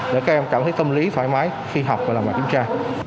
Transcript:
để các em cảm thấy tâm lý thoải mái khi học và làm bài kiểm tra